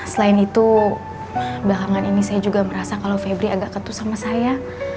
selain itu belakangan ini saya juga merasa kalau febri agak ketut sama saya